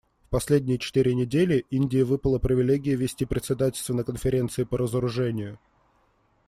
В последние четыре недели Индии выпала привилегия вести председательство на Конференции по разоружению.